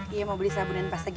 iya mau beli sabun dan pasta gigi